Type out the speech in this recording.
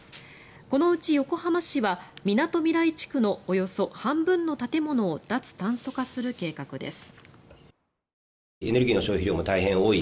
このうち横浜市はみなとみらい地区のおよそ半分の建物を脱炭素化する計画です。